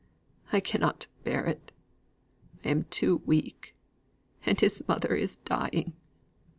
I cannot bear it, I am too weak. And his mother is dying!"